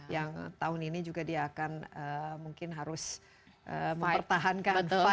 yang tahun ini juga dia akan mungkin harus mempertahankan fight